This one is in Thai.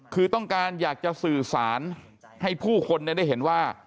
คือต้องการอยากจะสื่อสารให้ผู้คนได้เห็นว่า